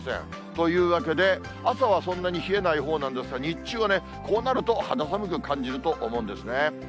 というわけで、朝はそんなに冷えない方なんですが、日中はね、こうなると肌寒く感じると思うんですね。